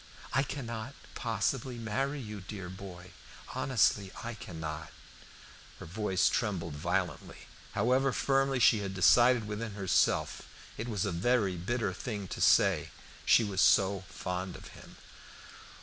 I cannot possibly marry you, dear boy. Honestly, I cannot." Her voice trembled violently. However firmly she had decided within herself, it was a very bitter thing to say; she was so fond of him.